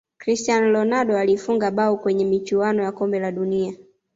cristiano ronaldo alifunga bao kwenye michuano ya kombe la dunia